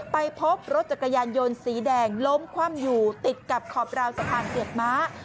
ไปพบรถจักรยานยนต์สีแดงล้มคว่ำอยู่ติดกับขอบราวสะพานเปียกม้า